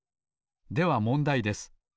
ではもんだいです。